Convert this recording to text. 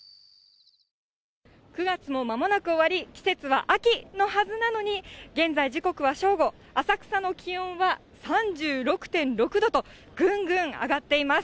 ９月も間もなく終わり、季節はまもなく秋のはずなんですが、現在、時刻は正午、浅草の気温は３６．６度と、ぐんぐん上がっています。